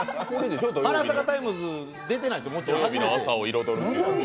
「花咲かタイムズ」出てないです、もちろん。